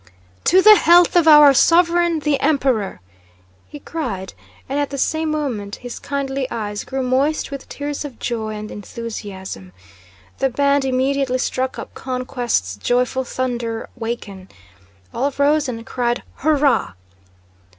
"To the health of our Sovereign, the Emperor!" he cried, and at the same moment his kindly eyes grew moist with tears of joy and enthusiasm. The band immediately struck up "Conquest's joyful thunder waken..." All rose and cried "Hurrah!"